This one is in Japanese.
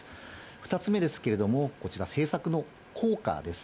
２つ目ですけれども、こちら、政策の効果です。